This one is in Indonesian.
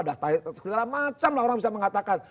ada sekelip lah macam lah orang bisa mengatakan